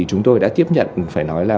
chúng tôi đã tiếp nhận phải nói là